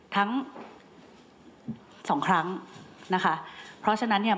ทั้งสองครั้งนะคะเพราะฉะนั้นเนี่ย